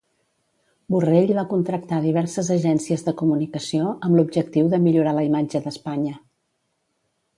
Borrell va contractar diverses agències de comunicació amb l'objectiu de millorar la imatge d'Espanya.